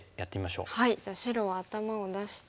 じゃあ白は頭を出して。